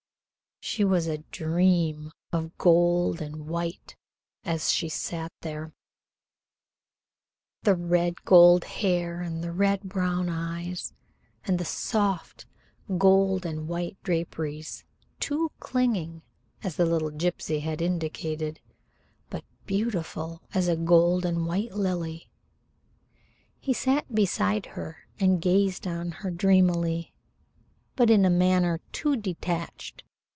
She was a dream of gold and white as she sat there the red gold hair and the red brown eyes, and the soft gold and white draperies, too clinging, as the little gypsy had indicated, but beautiful as a gold and white lily. He sat beside her and gazed on her dreamily, but in a manner too detached.